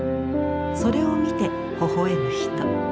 それを見てほほ笑む人。